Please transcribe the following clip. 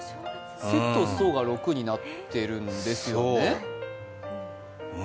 「せ」と「そ」が６になってるんですよね。